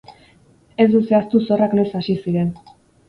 Ez du zehaztu zorrak noiz hasi ziren.